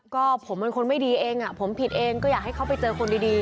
ก็ผมเป็นคนไม่ดีเองผมผิดเองก็อยากให้เขาไปเจอคนดี